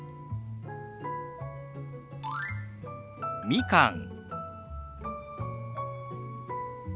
「みかん」。